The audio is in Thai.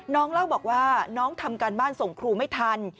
เล่าบอกว่าน้องทำการบ้านส่งครูไม่ทัน